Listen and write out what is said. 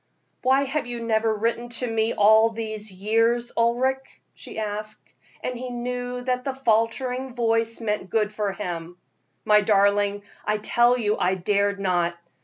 "Why have you never written to me all these years, Ulric?" she asked, and he knew that the faltering voice meant good for him. "My darling, I tell you I dared not.